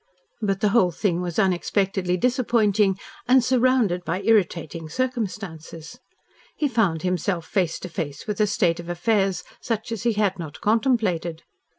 But the whole thing was unexpectedly disappointing and surrounded by irritating circumstances. He found himself face to face with a state of affairs such as he had not contemplated.